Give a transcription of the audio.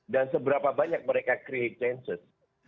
dan seberapa banyak mereka create chances